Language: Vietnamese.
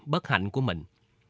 bất hạnh của mình